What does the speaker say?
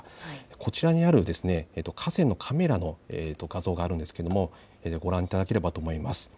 こちらにある河川のカメラの画像があるんですけども、ご覧いただければと思います。